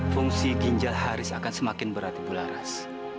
fungsi ginjal haris akan semakin berat ibu laras